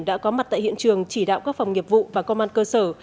đã có mặt tại hiện trường chỉ đạo các phòng nghiệp vụ và công an cơ sở